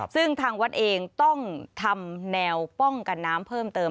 ซึ่งทางวัดเองต้องทำแนวป้องกันน้ำเพิ่มเติม